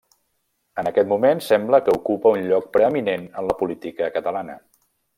En aquest moment sembla que ocupa un lloc preeminent en la política catalana.